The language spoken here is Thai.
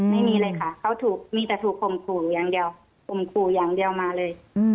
ไม่มีเลยค่ะเค้ามีแต่ถูกข่มขู่อย่างเดียวมาเลย